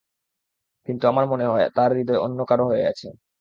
কিন্তু আমার মনে হয়, তার হৃদয় অন্য কারও হয়ে আছে।